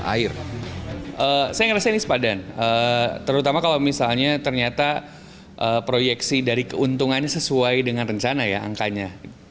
saya ngerasa ini sepadan terutama kalau misalnya ternyata proyeksi dari keuntungannya sesuai dengan rencana ya angkanya